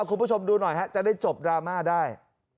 คุณผู้ชมดูหน่อยฮะจะได้จบดราม่าได้